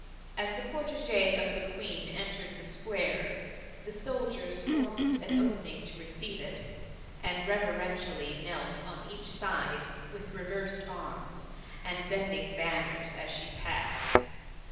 As the cortege of the Queen entered the square, the soldiers formed an opening to receive it, and reveren tially knelt on each side, with reversed arms, and bending banners as she passed.